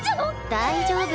大丈夫。